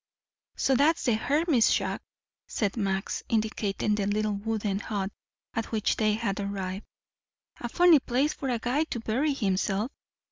"So that's the hermit's shack," said Max, indicating the little wooden hut at which they had arrived. "A funny place for a guy to bury himself.